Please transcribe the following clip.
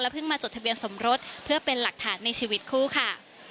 เพิ่งมาจดทะเบียนสมรสเพื่อเป็นหลักฐานในชีวิตคู่ค่ะ